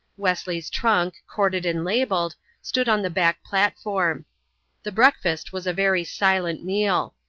Wesley's trunk, corded and labelled, stood on the back platform. The breakfast was a very silent meal.